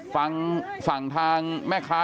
ฝั่งฝั่งทางแม่ค้า